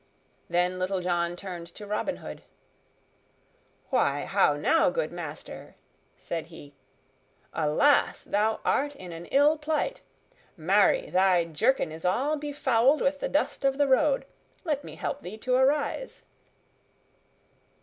Then Little John turned to Robin Hood. "Why, how now, good master," said he. "Alas! Thou art in an ill plight. Marry, thy jerkin is all befouled with the dust of the road. Let me help thee to arise."